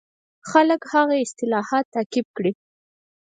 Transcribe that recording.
خلک هغه اصلاحات تعقیب کړي.